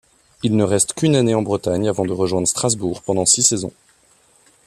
Il ne reste qu'une année en Bretagne avant de rejoindre Strasbourg, pendant six saisons.